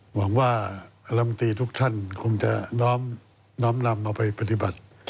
หวังว่าคณะมนตรีทุกท่านคงจะน้อมนำเอาไปปฏิบัติ